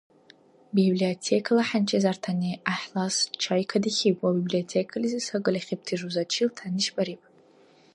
Библиотекала хӀянчизартани гӀяхӀлас чай кадихьиб ва библиотекализи сагали хибти жузачил тянишбариб.